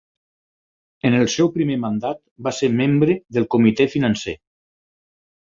En el seu primer mandat, va ser membre del comitè financer.